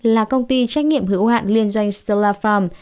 là công ty trách nhiệm hữu hạn liên doanh stella farm